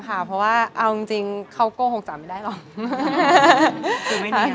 เพราะว่าเอิงจิงเค้าก้มหกจานไม่ได้หรอก